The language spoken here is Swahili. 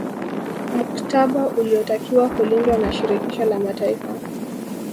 Mktaba uliotakiwa kulindwa na Shirikisho la Mataifa